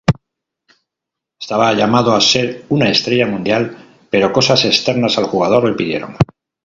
Estaba llamado a ser una estrella mundial, pero cosas externas al jugador lo impidieron.